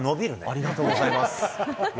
ありがとうございます。